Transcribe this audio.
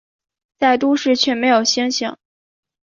在都市却没有星星